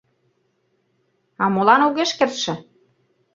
А молан огеш кертше?